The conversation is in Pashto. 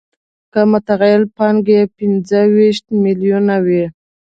که متغیره پانګه یې پنځه ویشت میلیونه وي